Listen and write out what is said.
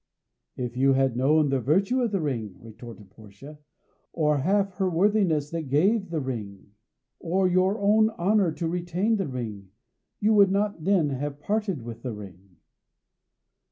"If you had known the virtue of the ring," retorted Portia, "or half her worthiness that gave the ring, or your own honour to retain the ring, you would not then have parted with the ring."